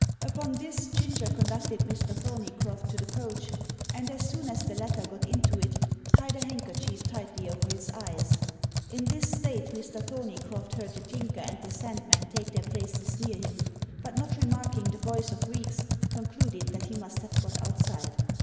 Upon this, Ginger conducted Mr. Thorneycroft to the coach, and as soon as the latter got into it, tied a handkerchief tightly over his eyes. In this state Mr. Thorneycroft heard the Tinker and the Sandman take their places near him, but not remarking the voice of Reeks, concluded that he must have got outside.